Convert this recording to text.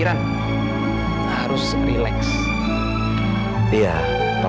kalau gak ini